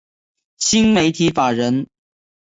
新媒体法人